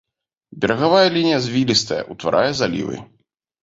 Берагавая лінія звілістая, утварае залівы.